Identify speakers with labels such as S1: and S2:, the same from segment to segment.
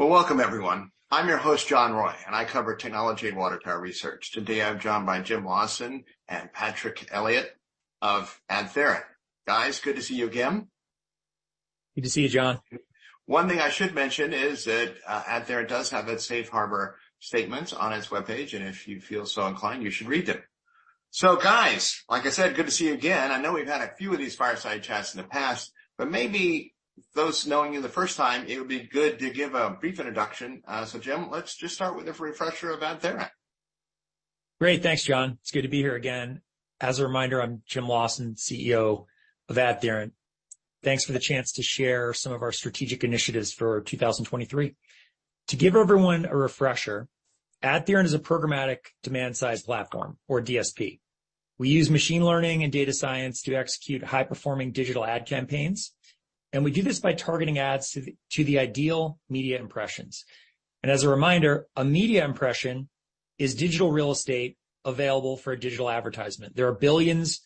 S1: Well, welcome, everyone. I'm your host, John Roy, and I cover technology in Water Tower Research. Today, I'm joined by Jim Lawson and Patrick Elliott of AdTheorent. Guys, good to see you again.
S2: Good to see you, John.
S1: One thing I should mention is that AdTheorent does have that safe harbor statement on its webpage, and if you feel so inclined, you should read it. Guys, like I said, good to see you again. I know we've had a few of these fireside chats in the past, but maybe those knowing you the first time, it would be good to give a brief introduction. Jim, let's just start with a refresher of AdTheorent.
S2: Great. Thanks, John. It's good to be here again. As a reminder, I'm Jim Lawson, CEO of AdTheorent. Thanks for the chance to share some of our strategic initiatives for 2023. To give everyone a refresher, AdTheorent is a programmatic demand-side platform or DSP. We use machine learning and data science to execute high-performing digital ad campaigns, we do this by targeting ads to the ideal media impressions. As a reminder, a media impression is digital real estate available for a digital advertisement. There are billions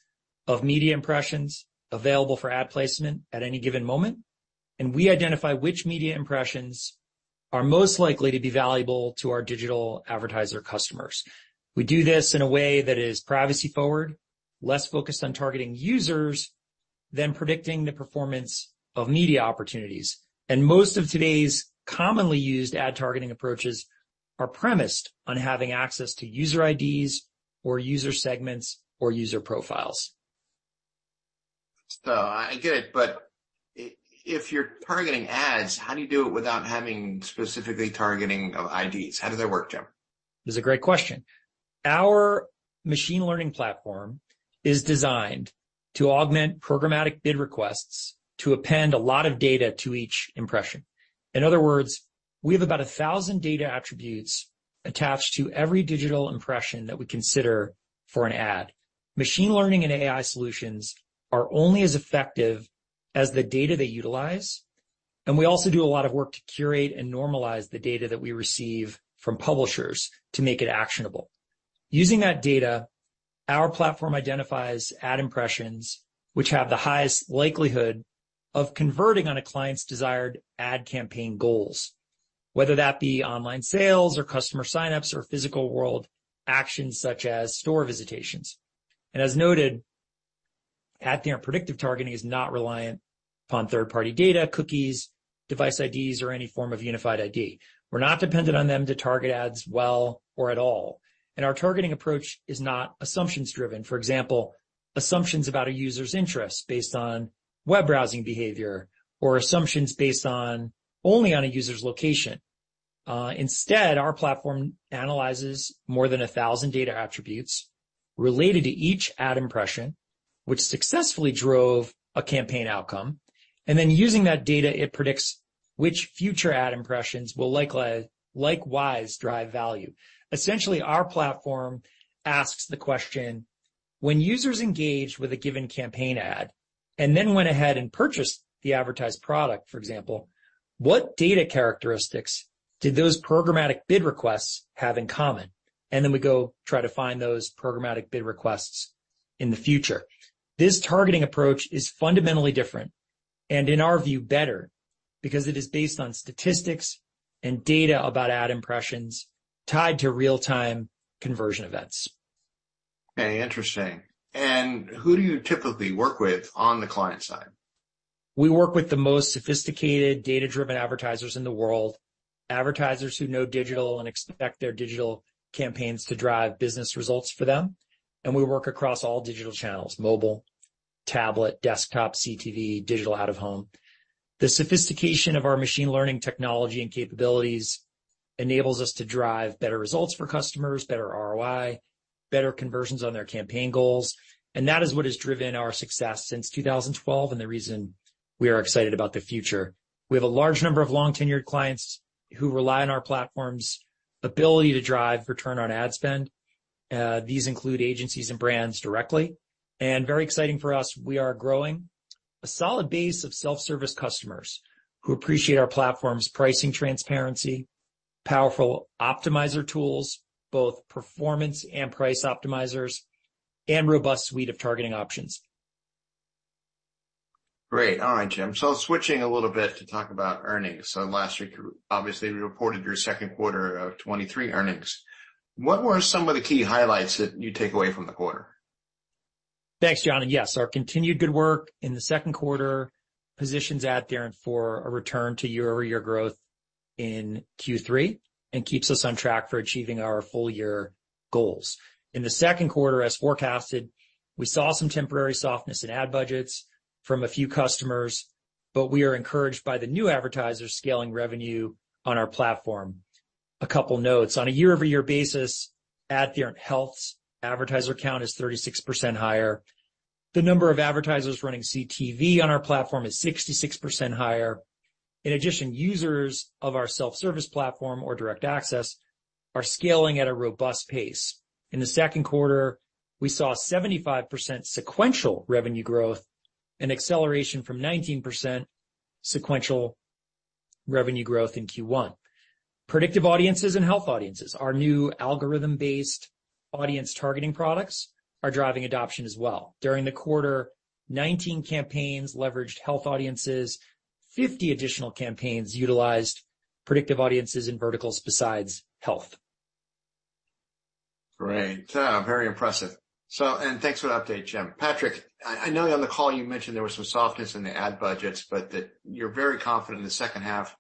S2: of media impressions available for ad placement at any given moment, we identify which media impressions are most likely to be valuable to our digital advertiser customers. We do this in a way that is privacy-forward, less focused on targeting users than predicting the performance of media opportunities. Most of today's commonly used ad targeting approaches are premised on having access to user IDs or user segments or user profiles.
S1: I get it, but if you're targeting ads, how do you do it without having specifically targeting of IDs? How does that work, Jim?
S2: That's a great question. Our machine learning platform is designed to augment programmatic bid requests to append a lot of data to each impression. In other words, we have about 1,000 data attributes attached to every digital impression that we consider for an ad. Machine learning and AI solutions are only as effective as the data they utilize. We also do a lot of work to curate and normalize the data that we receive from publishers to make it actionable. Using that data, our platform identifies ad impressions which have the highest likelihood of converting on a client's desired ad campaign goals, whether that be online sales or customer sign-ups or physical world actions such as store visitations. As noted, AdTheorent predictive targeting is not reliant upon third-party data, cookies, device IDs, or any form of unified ID. We're not dependent on them to target ads well or at all. Our targeting approach is not assumptions-driven. For example, assumptions about a user's interests based on web browsing behavior or assumptions based on only on a user's location. Instead, our platform analyzes more than 1,000 data attributes related to each ad impression, which successfully drove a campaign outcome, and then using that data, it predicts which future ad impressions will likewise drive value. Essentially, our platform asks the question: When users engage with a given campaign ad and then went ahead and purchased the advertised product, for example, what data characteristics did those programmatic bid requests have in common? Then we go try to find those programmatic bid requests in the future. This targeting approach is fundamentally different, and in our view, better, because it is based on statistics and data about ad impressions tied to real-time conversion events.
S1: Okay, interesting. Who do you typically work with on the client side?
S2: We work with the most sophisticated, data-driven advertisers in the world, advertisers who know digital and expect their digital campaigns to drive business results for them, we work across all digital channels: mobile, tablet, desktop, CTV, digital out-of-home. The sophistication of our machine learning technology and capabilities enables us to drive better results for customers, better ROI, better conversions on their campaign goals, that is what has driven our success since 2012 and the reason we are excited about the future. We have a large number of long-tenured clients who rely on our platform's ability to drive return on ad spend. These include agencies and brands directly. Very exciting for us, we are growing a solid base of self-service customers who appreciate our platform's pricing transparency, powerful optimizer tools, both performance and price optimizers, and robust suite of targeting options.
S1: Great. All right, Jim. Switching a little bit to talk about earnings. Last week, obviously, you reported your second quarter of 2023 earnings. What were some of the key highlights that you take away from the quarter?
S2: Thanks, John. Yes, our continued good work in the second quarter positions AdTheorent for a return to year-over-year growth in Q3 and keeps us on track for achieving our full year goals. In the second quarter, as forecasted, we saw some temporary softness in ad budgets from a few customers, but we are encouraged by the new advertisers scaling revenue on our platform. A couple notes. On a year-over-year basis, AdTheorent Health's advertiser count is 36% higher. The number of advertisers running CTV on our platform is 66% higher. In addition, users of our self-service platform or Direct Access are scaling at a robust pace. In the second quarter, we saw 75% sequential revenue growth, an acceleration from 19% sequential revenue growth in Q1. Predictive Audiences and Health Audiences, our new algorithm-based audience targeting products, are driving adoption as well. During the quarter, 19 campaigns leveraged Health Audiences, 50 additional campaigns utilized Predictive Audiences in verticals besides health.
S1: Great. Very impressive. Thanks for the update, Jim. Patrick, I know on the call you mentioned there was some softness in the ad budgets, but that you're very confident in the second half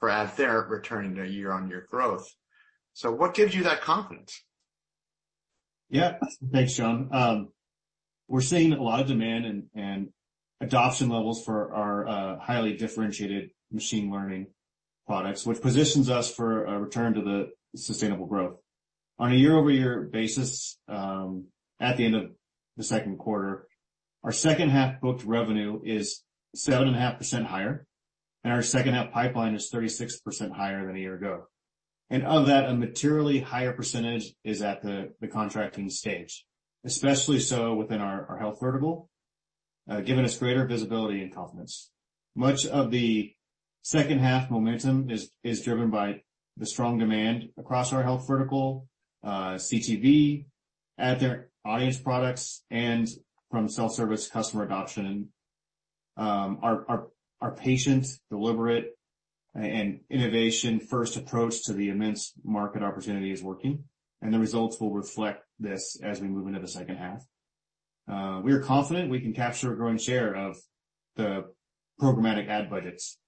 S1: for AdTheorent returning to a year-on-year growth. What gives you that confidence?
S3: Yeah. Thanks, John. We're seeing a lot of demand and, and adoption levels for our highly differentiated machine learning products, which positions us for a return to the sustainable growth. On a year-over-year basis, at the end of the second quarter, our second half booked revenue is 7.5% higher, and our second half pipeline is 36% higher than a year ago. Of that, a materially higher percentage is at the contracting stage, especially so within our health vertical, giving us greater visibility and confidence. Much of the second half momentum is driven by the strong demand across our health vertical, CTV, AdTheorent audience products, and from self-service customer adoption. Our patient, deliberate, and innovation-first approach to the immense market opportunity is working, and the results will reflect this as we move into the second half. We are confident we can capture a growing share of the programmatic ad budgets.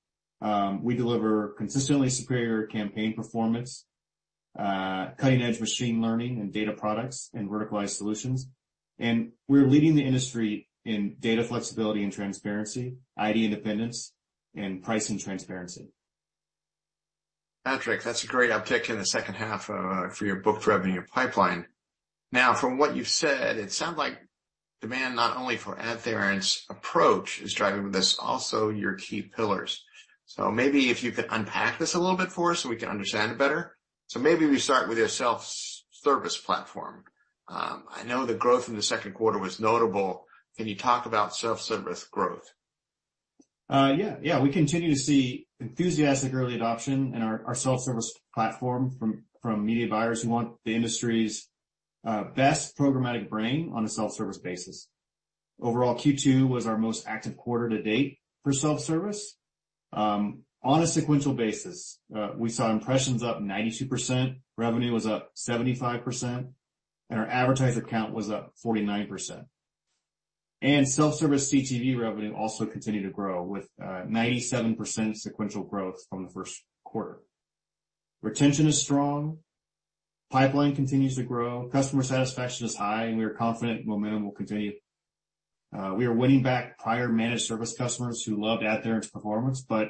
S3: We deliver consistently superior campaign performance, cutting-edge machine learning and data products, and verticalized solutions, and we're leading the industry in data flexibility and transparency, ID independence, and pricing transparency.
S1: Patrick, that's a great uptick in the 2nd half for your booked revenue pipeline. Now, from what you've said, it sounds like demand, not only for AdTheorent's approach, is driving this, also your key pillars. Maybe if you could unpack this a little bit for us so we can understand it better. Maybe we start with your self-service platform. I know the growth in the 2nd quarter was notable. Can you talk about self-service growth?
S3: Yeah, yeah. We continue to see enthusiastic early adoption in our self-service platform from, from media buyers who want the industry's best programmatic brain on a self-service basis. Overall, Q2 was our most active quarter to date for self-service. On a sequential basis, we saw impressions up 92%, revenue was up 75%, and our advertiser count was up 49%. Self-service CTV revenue also continued to grow with 97% sequential growth from the first quarter. Retention is strong, pipeline continues to grow, customer satisfaction is high, and we are confident momentum will continue. We are winning back prior managed service customers who loved AdTheorent's performance but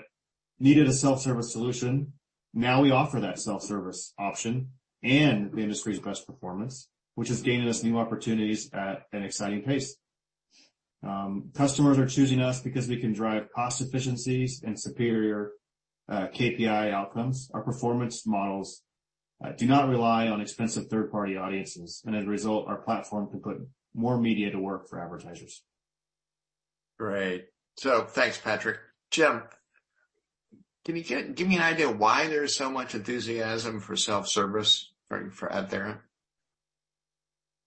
S3: needed a self-service solution. Now, we offer that self-service option and the industry's best performance, which is gaining us new opportunities at an exciting pace. customers are choosing us because we can drive cost efficiencies and superior KPI outcomes. Our performance models do not rely on expensive third-party audiences, and as a result, our platform can put more media to work for advertisers.
S1: Great. Thanks, Patrick. Jim, can you give, give me an idea of why there is so much enthusiasm for self-service for, for AdTheorent?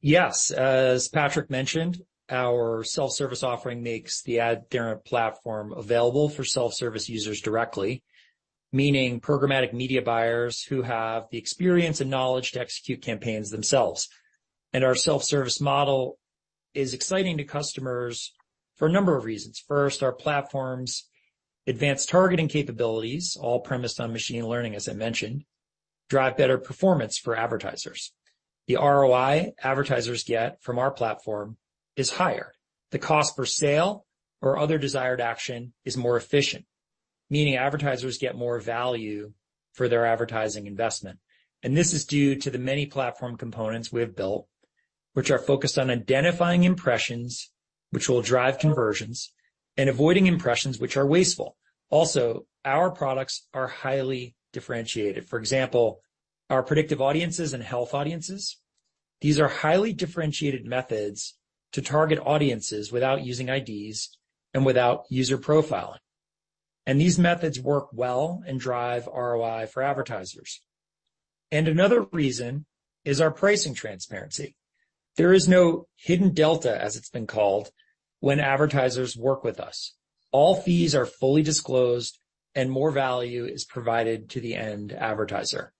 S2: Yes. As Patrick mentioned, our self-service offering makes the AdTheorent platform available for self-service users directly, meaning programmatic media buyers who have the experience and knowledge to execute campaigns themselves. Our self-service model is exciting to customers for a number of reasons. First, our platform's advanced targeting capabilities, all premised on machine learning, as I mentioned, drive better performance for advertisers. The ROI advertisers get from our platform is higher. The cost per sale or other desired action is more efficient, meaning advertisers get more value for their advertising investment. This is due to the many platform components we have built, which are focused on identifying impressions which will drive conversions and avoiding impressions which are wasteful. Also, our products are highly differentiated. For example, our Predictive Audiences and Health Audiences, these are highly differentiated methods to target audiences without using IDs and without user profiling, and these methods work well and drive ROI for advertisers. Another reason is our pricing transparency. There is no hidden delta, as it's been called, when advertisers work with us. All fees are fully disclosed, and more value is provided to the end advertiser.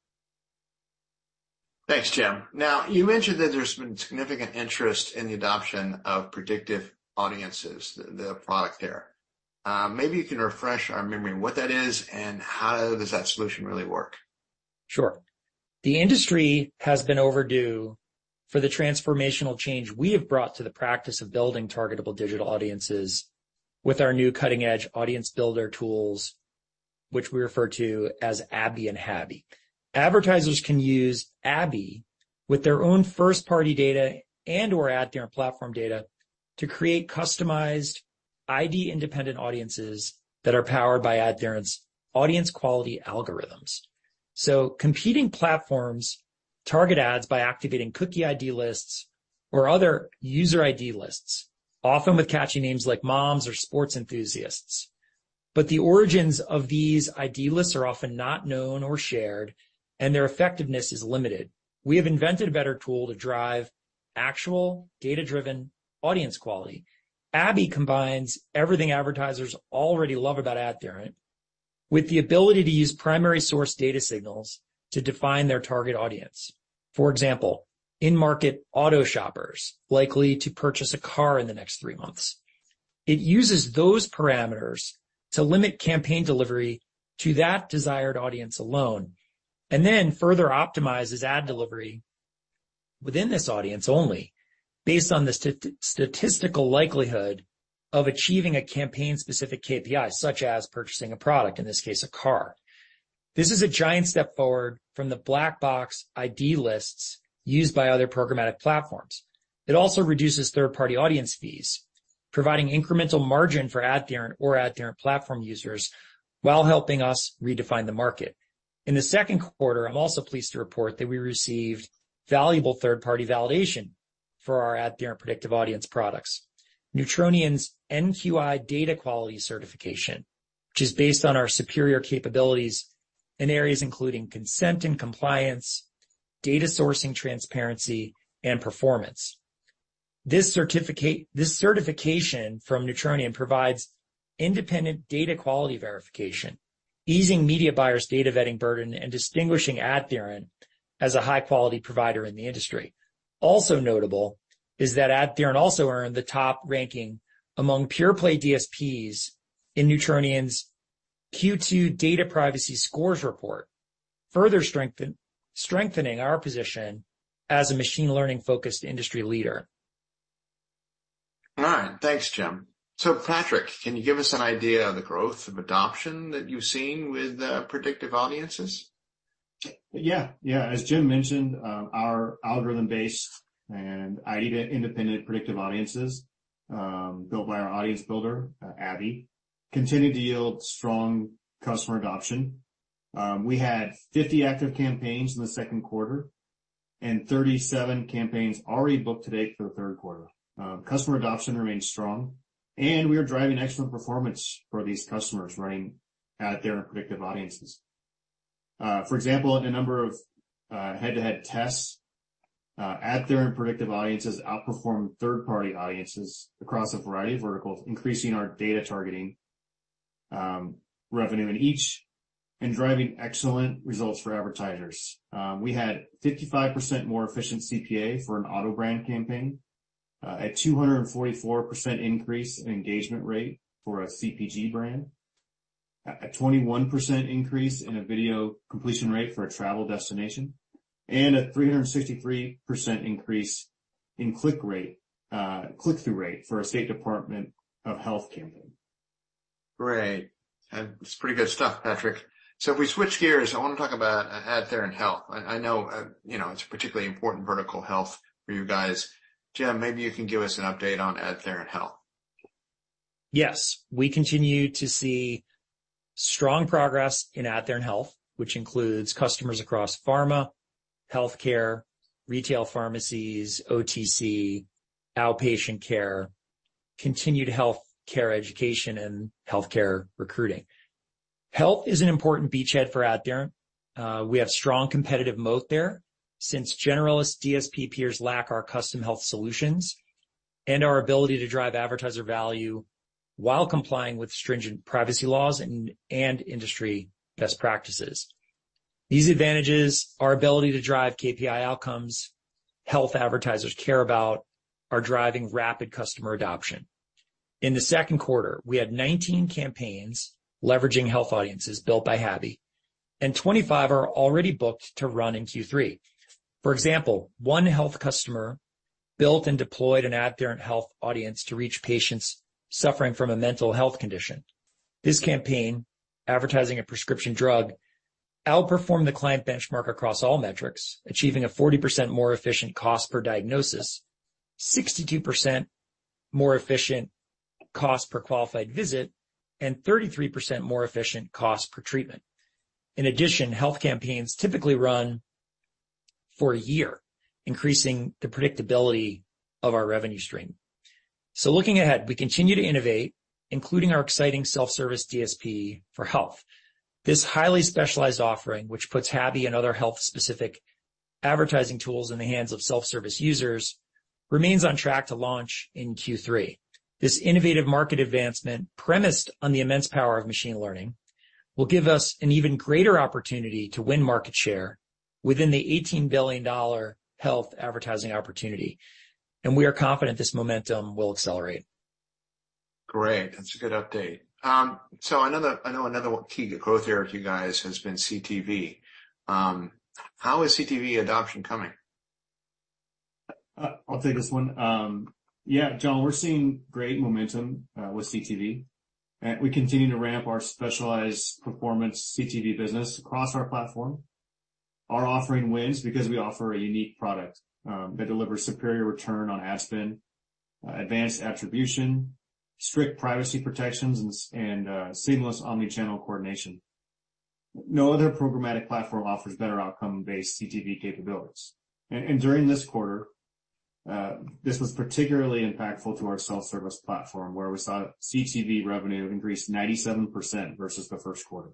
S1: Thanks, Jim. Now, you mentioned that there's been significant interest in the adoption of Predictive Audiences, the product there. Maybe you can refresh our memory on what that is, and how does that solution really work?
S2: Sure. The industry has been overdue for the transformational change we have brought to the practice of building targetable digital audiences with our new cutting-edge audience builder tools, which we refer to as ABi and HABi. Advertisers can use ABi with their own first-party data and/or AdTheorent platform data to create customized ID-independent audiences that are powered by AdTheorent's audience quality algorithms. Competing platforms target ads by activating cookie ID lists or other user ID lists, often with catchy names like Moms or Sports Enthusiasts. The origins of these ID lists are often not known or shared, and their effectiveness is limited. We have invented a better tool to drive actual data-driven audience quality. ABi combines everything advertisers already love about AdTheorent, with the ability to use primary source data signals to define their target audience. For example, in-market auto shoppers likely to purchase a car in the next three months. It uses those parameters to limit campaign delivery to that desired audience alone, and then further optimizes ad delivery within this audience only based on the statistical likelihood of achieving a campaign-specific KPI, such as purchasing a product, in this case, a car. This is a giant step forward from the black box ID lists used by other programmatic platforms. It also reduces third-party audience fees, providing incremental margin for AdTheorent or AdTheorent platform users, while helping us redefine the market. In the second quarter, I'm also pleased to report that we received valuable third-party validation for our AdTheorent Predictive Audience products. Neutronian's NQI Data Quality Certification, which is based on our superior capabilities in areas including consent and compliance, data sourcing, transparency, and performance. This certification from Neutronian provides independent data quality verification, easing media buyers' data vetting burden, and distinguishing AdTheorent as a high-quality provider in the industry. Also notable is that AdTheorent also earned the top ranking among pure-play DSPs in Neutronian's Q2 Data Privacy Scores report, strengthening our position as a machine learning-focused industry leader.
S1: All right, thanks, Jim. Patrick, can you give us an idea of the growth of adoption that you've seen with Predictive Audiences?
S3: Yeah. Yeah. As Jim mentioned, our algorithm-based and ID-independent Predictive Audiences, built by our Audience Builder, ABi, continued to yield strong customer adoption. We had 50 active campaigns in the second quarter and 37 campaigns already booked to date for the third quarter. Customer adoption remains strong, and we are driving excellent performance for these customers running AdTheorent Predictive Audiences. For example, in a number of head-to-head tests, AdTheorent Predictive Audiences outperformed third-party audiences across a variety of verticals, increasing our data targeting revenue in each and driving excellent results for advertisers. We had 55% more efficient CPA for an auto brand campaign, a 244 increase in engagement rate for a CPG brand, a 21% increase in a video completion rate for a travel destination, and a 363% increase in click rate, click-through rate for a state department of health campaign.
S1: Great. That's pretty good stuff, Patrick. If we switch gears, I want to talk about AdTheorent Health. I know, you know, it's a particularly important vertical health for you guys. Jim, maybe you can give us an update on AdTheorent Health.
S2: Yes, we continue to see strong progress in AdTheorent Health, which includes customers across pharma, healthcare, retail pharmacies, OTC, outpatient care, continued healthcare education, and healthcare recruiting. Health is an important beachhead for AdTheorent. We have strong competitive moat there since generalist DSP peers lack our custom health solutions and our ability to drive advertiser value while complying with stringent privacy laws and industry best practices. These advantages, our ability to drive KPI outcomes health advertisers care about, are driving rapid customer adoption. In the second quarter, we had 19 campaigns leveraging Health Audiences built by HABi, and 25 are already booked to run in Q3. For example, one health customer built and deployed an AdTheorent Health audience to reach patients suffering from a mental health condition. This campaign, advertising a prescription drug, outperformed the client benchmark across all metrics, achieving a 40% more efficient cost per diagnosis, 62% more efficient cost per qualified visit, and 33% more efficient cost per treatment. In addition, health campaigns typically run for a year, increasing the predictability of our revenue stream. Looking ahead, we continue to innovate, including our exciting self-service DSP for health. This highly specialized offering, which puts HABi and other health-specific advertising tools in the hands of self-service users, remains on track to launch in Q3. This innovative market advancement, premised on the immense power of machine learning, will give us an even greater opportunity to win market share within the $18 billion health advertising opportunity, and we are confident this momentum will accelerate.
S1: Great. That's a good update. I know another key growth area for you guys has been CTV. How is CTV adoption coming?
S3: I'll take this one. Yeah, John, we're seeing great momentum with CTV. We continue to ramp our specialized performance CTV business across our platform. Our offering wins because we offer a unique product that delivers superior return on ad spend, advanced attribution, strict privacy protections, and seamless omni-channel coordination. No other programmatic platform offers better outcome-based CTV capabilities. During this quarter, this was particularly impactful to our self-service platform, where we saw CTV revenue increase 97% versus the first quarter.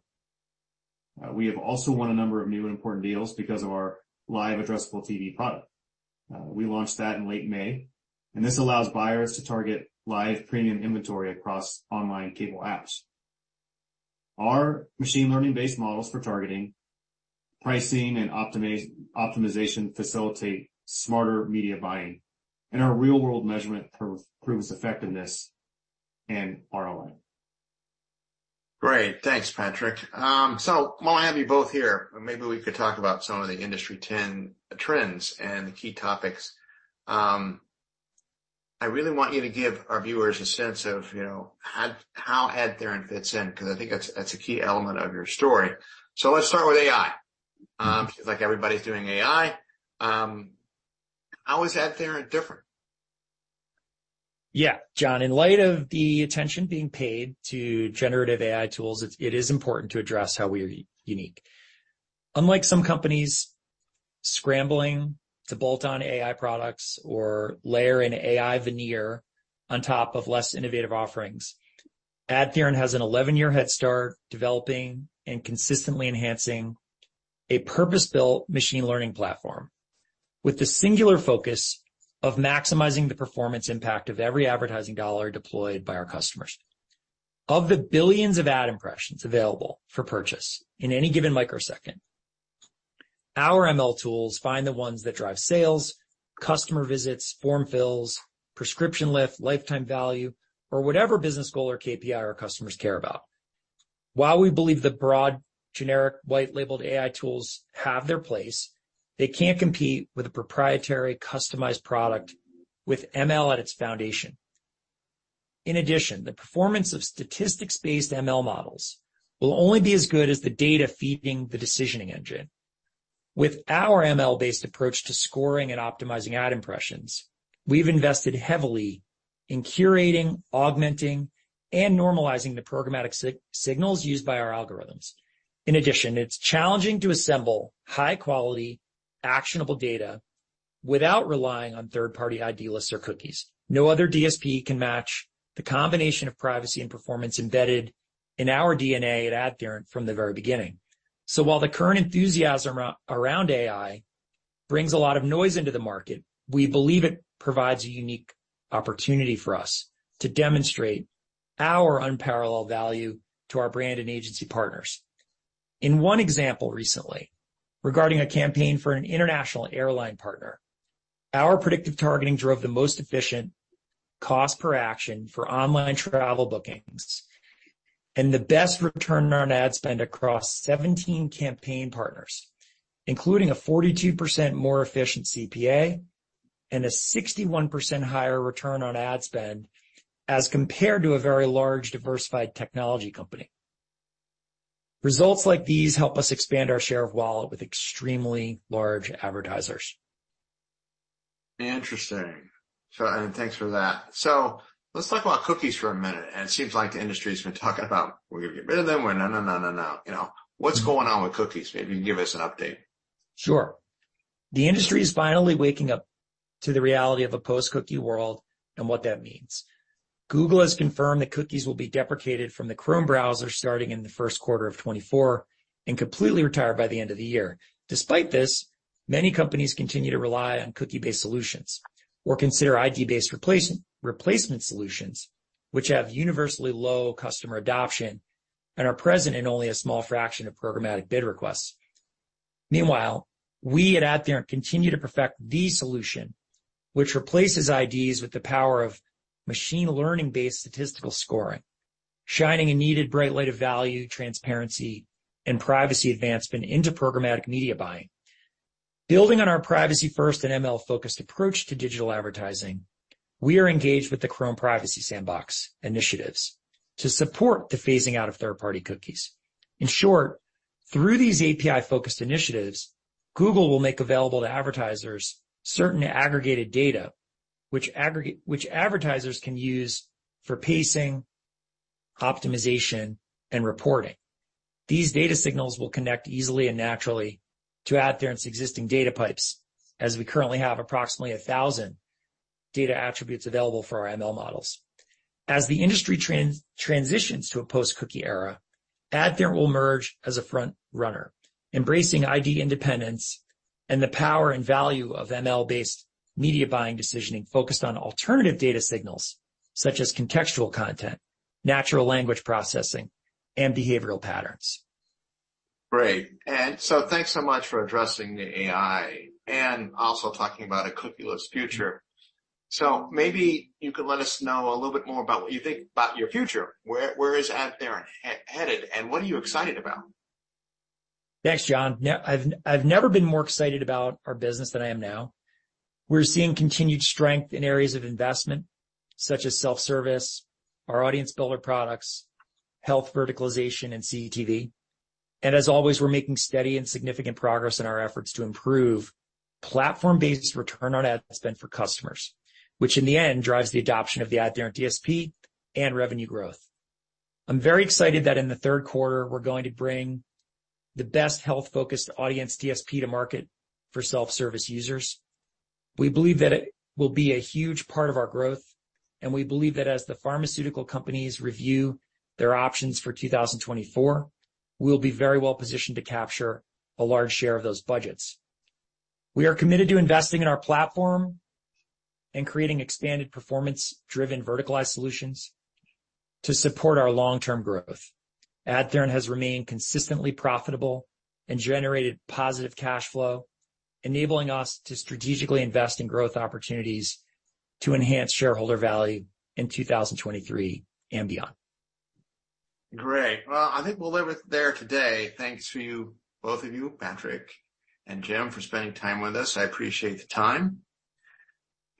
S3: We have also won a number of new and important deals because of our live addressable TV product. We launched that in late May, and this allows buyers to target live premium inventory across online cable apps. Our machine learning-based models for targeting, pricing, and optimization facilitate smarter media buying, and our real-world measurement proves effectiveness and ROI.
S1: Great. Thanks, Patrick. While I have you both here, maybe we could talk about some of the industry 10 trends and the key topics. I really want you to give our viewers a sense of, you know, how, how AdTheorent fits in, because I think that's, that's a key element of your story. Let's start with AI. Seems like everybody's doing AI. How is AdTheorent different?
S2: Yeah, John, in light of the attention being paid to generative AI tools, it is important to address how we are unique. Unlike some companies scrambling to bolt on AI products or layer an AI veneer on top of less innovative offerings, AdTheorent has an 11-year head start developing and consistently enhancing a purpose-built machine learning platform, with the singular focus of maximizing the performance impact of every advertising dollar deployed by our customers. Of the billions of ad impressions available for purchase in any given microsecond, our ML tools find the ones that drive sales, customer visits, form fills, prescription lift, lifetime value, or whatever business goal or KPI our customers care about. While we believe that broad, generic, white-labeled AI tools have their place, they can't compete with a proprietary, customized product with ML at its foundation. In addition, the performance of statistics-based ML models will only be as good as the data feeding the decisioning engine. With our ML-based approach to scoring and optimizing ad impressions, we've invested heavily in curating, augmenting, and normalizing the programmatic signals used by our algorithms. In addition, it's challenging to assemble high-quality, actionable data without relying on third-party ID lists or cookies. No other DSP can match the combination of privacy and performance embedded in our DNA at AdTheorent from the very beginning. While the current enthusiasm around AI brings a lot of noise into the market, we believe it provides a unique opportunity for us to demonstrate our unparalleled value to our brand and agency partners. In one example recently, regarding a campaign for an international airline partner, our predictive targeting drove the most efficient cost per action for online travel bookings and the best return on ad spend across 17 campaign partners, including a 42% more efficient CPA and a 61% higher return on ad spend, as compared to a very large, diversified technology company. Results like these help us expand our share of wallet with extremely large advertisers.
S1: Interesting. Thanks for that. Let's talk about cookies for a minute. It seems like the industry's been talking about, we're gonna get rid of them, we're no, no, no. You know, what's going on with cookies? Maybe you can give us an update.
S2: Sure. The industry is finally waking up to the reality of a post-cookie world and what that means. Google has confirmed that cookies will be deprecated from the Chrome browser starting in the first quarter of 2024 and completely retired by the end of the year. Despite this, many companies continue to rely on cookie-based solutions or consider ID-based replacement solutions, which have universally low customer adoption and are present in only a small fraction of programmatic bid requests. Meanwhile, we at AdTheorent continue to perfect the solution, which replaces IDs with the power of machine learning-based statistical scoring, shining a needed bright light of value, transparency, and privacy advancement into programmatic media buying. Building on our privacy first and ML-focused approach to digital advertising, we are engaged with the Chrome Privacy Sandbox initiatives to support the phasing out of third-party cookies. In short, through these API-focused initiatives, Google will make available to advertisers certain aggregated data which advertisers can use for pacing, optimization, and reporting. These data signals will connect easily and naturally to AdTheorent's existing data pipes, as we currently have approximately 1,000 data attributes available for our ML models. As the industry transitions to a post-cookie era, AdTheorent will emerge as a front runner, embracing ID independence and the power and value of ML-based media buying decisioning focused on alternative data signals such as contextual content, natural language processing, and behavioral patterns.
S1: Great. Thanks so much for addressing the AI and also talking about a cookie-less future. Maybe you could let us know a little bit more about what you think about your future. Where, where is AdTheorent headed, and what are you excited about?
S2: Thanks, John. I've, I've never been more excited about our business than I am now. We're seeing continued strength in areas of investment, such as self-service, our audience builder products, health verticalization, and CTV. As always, we're making steady and significant progress in our efforts to improve platform-based return on ad spend for customers, which in the end drives the adoption of the AdTheorent DSP and revenue growth. I'm very excited that in the third quarter, we're going to bring the best health-focused audience DSP to market for self-service users. We believe that it will be a huge part of our growth, and we believe that as the pharmaceutical companies review their options for 2024, we'll be very well positioned to capture a large share of those budgets. We are committed to investing in our platform and creating expanded, performance-driven, verticalized solutions to support our long-term growth. AdTheorent has remained consistently profitable and generated positive cash flow, enabling us to strategically invest in growth opportunities to enhance shareholder value in 2023 and beyond.
S1: Great. Well, I think we'll leave it there today. Thanks to you, both of you, Patrick and Jim, for spending time with us. I appreciate the time.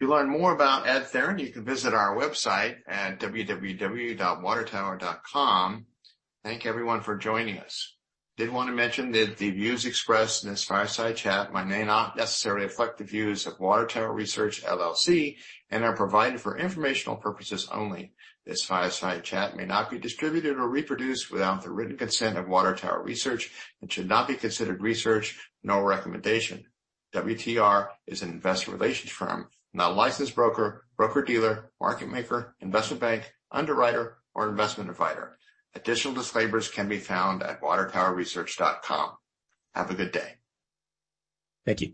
S1: To learn more about AdTheorent, you can visit our website at www.watertower.com. Thank everyone for joining us. Did want to mention that the views expressed in this fireside chat may not necessarily reflect the views of Water Tower Research LLC, and are provided for informational purposes only. This fireside chat may not be distributed or reproduced without the written consent of Water Tower Research and should not be considered research, nor a recommendation. WTR is an investor relations firm, not a licensed broker, broker-dealer, market maker, investment bank, underwriter, or investment advisor. Additional disclaimers can be found at watertowerresearch.com. Have a good day.
S2: Thank you.